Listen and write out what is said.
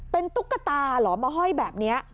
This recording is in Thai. เป็นตุ๊กตาเหรอมาห้อยแบบนี้